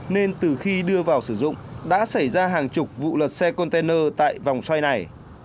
nên từ khi đưa vào sử dụng đã xảy ra hàng chục vụ lật xe container tại vòng xoay này